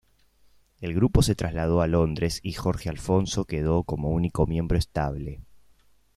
El grupo se trasladó a Londres y Jorge Alfonso quedó como único miembro estable.